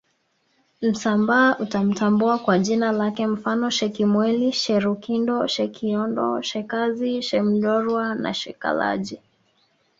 Msambaa utamtambua kwa jina lake mfano Shekimweli Sherukindo Shekiondo Shekazi Shemndorwa na shakalage